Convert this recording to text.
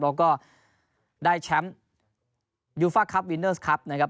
แล้วก็ได้แชมป์ยูฟ่าครับวินเนอร์สครับนะครับ